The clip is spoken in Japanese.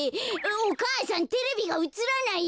お母さんテレビがうつらないよ。